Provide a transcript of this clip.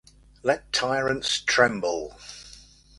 Let Tyrants Tremble!